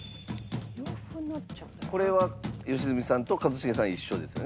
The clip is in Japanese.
これは良純さんと一茂さん一緒ですよね